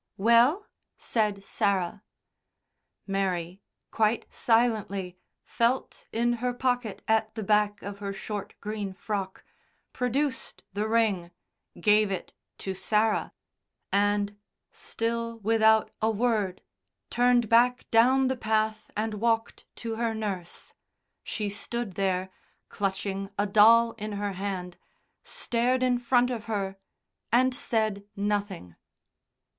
"Well!" said Sarah. Mary quite silently felt in her pocket at the back of her short, green frock, produced the ring, gave it to Sarah, and, still without a word, turned back down the path and walked to her nurse. She stood there, clutching a doll in her hand, stared in front of her, and said nothing.